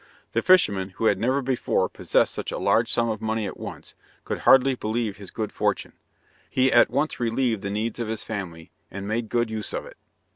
The fisherman, who had never before possessed such a large sum of money at once, could hardly believe his good fortune. He at once relieved the needs of his family, and made good use of it.